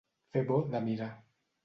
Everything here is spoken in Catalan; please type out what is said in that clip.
Fer bo de mirar.